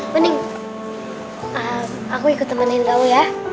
bening aku ikut temanin kau ya